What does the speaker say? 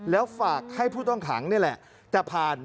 แล้วฝากให้ผู้ต้องขังนี่แหละแต่ผ่าน